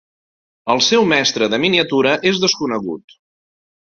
El seu mestre de miniatura és desconegut.